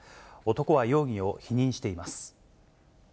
男は容疑を否認しています。